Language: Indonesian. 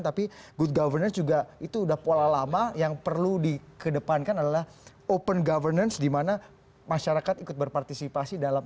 tapi good governance juga itu udah pola lama yang perlu dikedepankan adalah open governance di mana masyarakat ikut berpartisipasi dalam